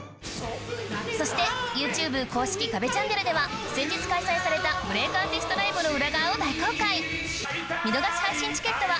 そしてＹｏｕＴｕｂｅ公式壁チャンネルでは先日開催されたブレイクアーティストライブの裏側を大公開！